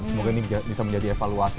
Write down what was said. semoga ini bisa menjadi evaluasi